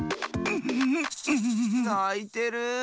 ないてる！